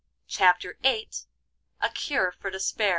CHAPTER VIII. A CURE FOR DESPAIR.